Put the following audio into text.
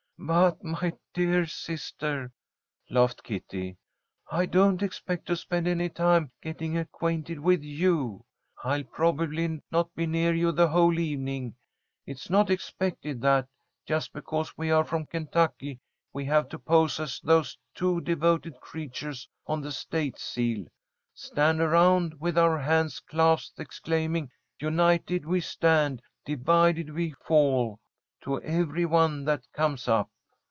"But, my dear sister," laughed Kitty, "I don't expect to spend any time getting acquainted with you. I'll probably not be near you the whole evening. It's not expected that, just because we are from Kentucky, we have to pose as those two devoted creatures on the State seal, stand around with our hands clasped, exclaiming 'United we stand, divided we fall!' to every one that comes up."